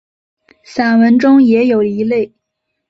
散文中也有一类。